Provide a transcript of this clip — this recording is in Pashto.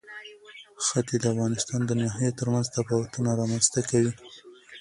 ښتې د افغانستان د ناحیو ترمنځ تفاوتونه رامنځ ته کوي.